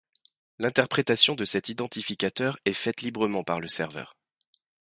L'interprétation de cet identificateur est faite librement par le serveur.